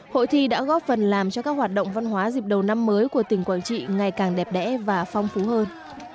hội thi đã góp phần làm cho các hoạt động văn hóa dịp đầu năm mới của tỉnh quảng trị ngày càng đẹp đẽ và phong phú hơn